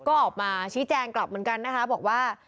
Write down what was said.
ก็ออกมาชี้แจงกลับเหมือนกันนะคะบอกว่า